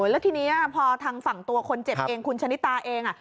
แล้วทีนี้พอทางฝั่งตัวคนเจ็บเองคุณชะนิตาเอง